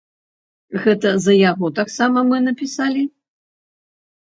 Гэта за яго таксама мы напісалі?